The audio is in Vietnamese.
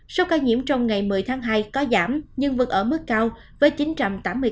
số ca nhiễm trong ngày một mươi tháng hai có giảm nhưng vẫn ở mức cao với chín trăm tám mươi ca